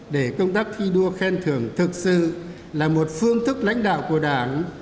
để công tác thi đua khen thưởng thực sự là một phương thức lãnh đạo của đảng